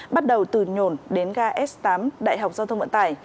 bắt đầu từ nhổn đến ga s tám đại học giao thông